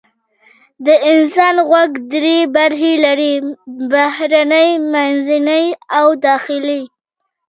د انسان غوږ درې برخې لري: بهرنی، منځنی او داخلي.